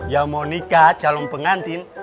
ya mau nikah calon pengantin